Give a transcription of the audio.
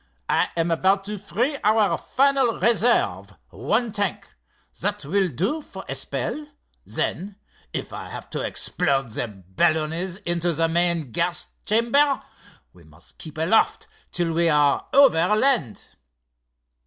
"I am about to free our final reserve—one tank. That will do for a spell. Then—if I have to explode the balloonets into the main gas chamber, we must keep aloft till we are over land."